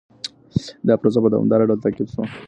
دا پروسه په دوامداره ډول تعقيب سوه.